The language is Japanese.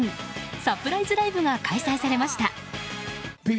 サプライズライブが開催されました。